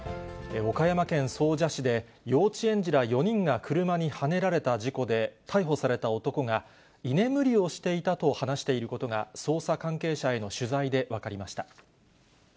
岡山県総社市で幼稚園児ら４人が車にはねられた事故で、逮捕された男が、居眠りをしていたと話していることが、捜査関係者への取材で分かりました。